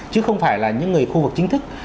chứ không phải là những người khu vực chính thức